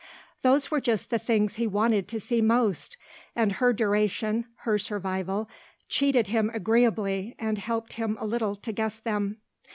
Those were just the things he wanted to see most, and her duration, her survival, cheated him agreeably and helped him a little to guess them.